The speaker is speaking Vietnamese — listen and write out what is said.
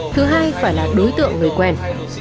thứ hai phải là đối tượng người quen